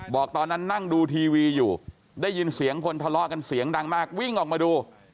บอกตอนนั้นนั่งดูทีวีอยู่ได้ยินเสียงคนทะเลาะกันเสียงดังมากวิ่งออกมาดู